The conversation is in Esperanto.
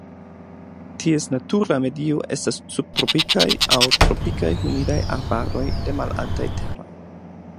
Ties natura medio estas subtropikaj aŭ tropikaj humidaj arbaroj de malaltaj teroj.